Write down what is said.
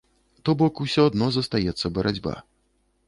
То бок ўсё адно застаецца барацьба.